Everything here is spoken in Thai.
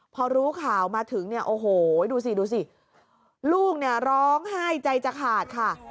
พอรู้ข่าวมาถึงเนี่ยโอ้โหดูสิดูสิลูกเนี่ยร้องไห้ใจจะขาดค่ะ